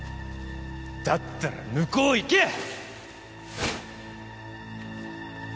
だったら向こう行け！